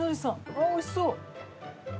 ああおいしそう。